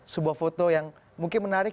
sebuah foto yang mungkin menarik